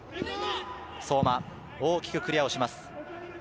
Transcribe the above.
相馬、大きくクリアします。